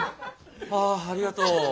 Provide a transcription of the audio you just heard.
あありがとう。